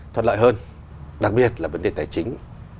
thuận lợi hơn đặc biệt là vấn đề tài chính